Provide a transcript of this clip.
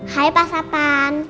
hai pak sapan